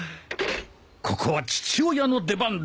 ここは父親の出番だ。